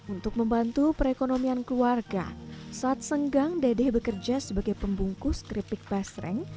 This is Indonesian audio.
untuk membantu perekonomian keluarga saat senggang dedeh bekerja sebagai pembungkus keripik basreng